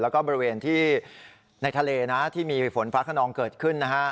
แล้วก็บริเวณที่ในทะเลนะที่มีฝนฟ้าขนองเกิดขึ้นนะฮะ